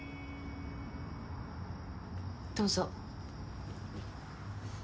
どうぞ。